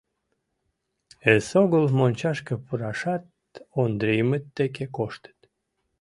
Эсогыл мончашке пурашат Ондриймыт деке коштыт.